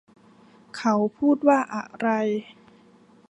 เขาพูดว่าอะไร